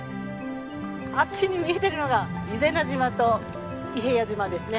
あっちに見えてるのが伊是名島と伊平屋島ですね。